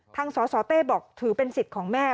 สสเต้บอกถือเป็นสิทธิ์ของแม่